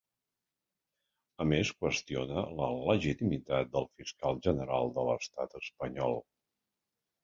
A més qüestiona la legitimitat del fiscal general de l’estat espanyol.